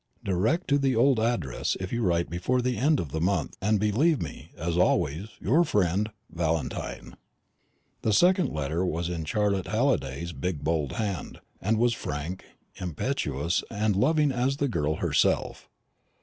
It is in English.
Direct to the old address, if you write before the end of the month, and believe me, as always, your friend." "VALENTINE." The second letter was in Charlotte Halliday's big bold hand, and was frank, impetuous, and loving as the girl herself.